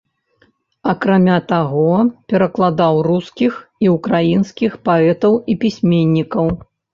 Акрамя таго перакладаў рускіх і ўкраінскіх паэтаў і пісьменнікаў.